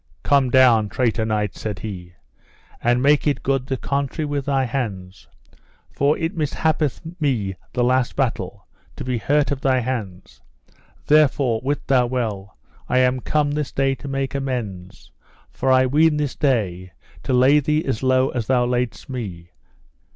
Come down, traitor knight, said he, and make it good the contrary with thy hands, for it mishapped me the last battle to be hurt of thy hands; therefore wit thou well I am come this day to make amends, for I ween this day to lay thee as low as thou laidest me.